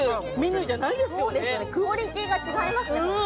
クオリティーが違いますね。